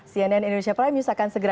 cnn indonesia prime news akan segera